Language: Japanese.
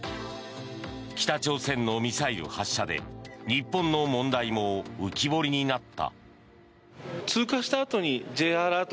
北朝鮮のミサイル発射で日本の問題も浮き彫りになった。